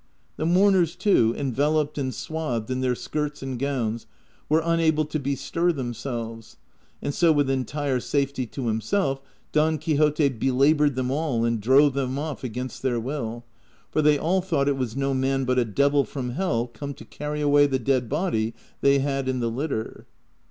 The mourn ers, too, enveloped and swathed in their skirts and gowns, were unable to bestir themselves, and so with entire safety to himself Don Quixote belabored them all and drove them off against their will, for they all thought it was no man but a devil from hell come to carry away the dead body they had in the litter.